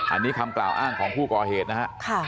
อันนี้คำกล่าวอ้างของผู้ก่อเหตุนะฮะ